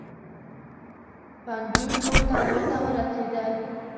پنجوسو تنو ته ورسېدل.